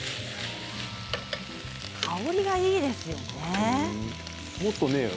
香りがいいですよね。